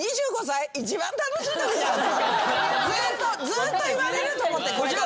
ずっと言われると思ってこれから。